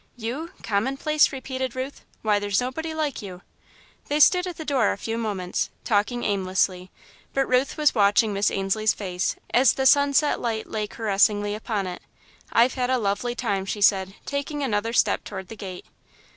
"You, commonplace?" repeated Ruth; "why, there's nobody like you!" They stood at the door a few moments, talking aimlessly, but Ruth was watching Miss Ainslie's face, as the sunset light lay caressingly upon it. "I've had a lovely time," she said, taking another step toward the gate.